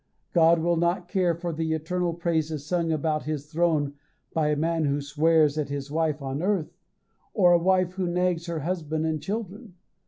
God will not care for the eternal praises sung about his throne by a man who swears at his wife on earth, or a wife who nags her husband and children.